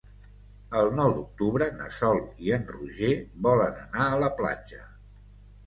El nou d'octubre na Sol i en Roger volen anar a la platja.